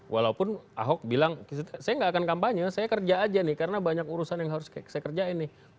walaupun ahok bilang saya nggak akan kampanye saya kerja aja nih karena banyak urusan yang harus saya kerjain nih